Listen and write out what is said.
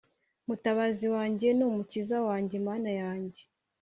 mutabazi wanjye n umukiza wanjye Mana yanjye